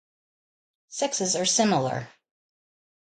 Sexes are similar.